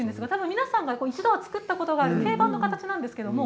皆さんが一度は使ったことがある定番のヒコーキです。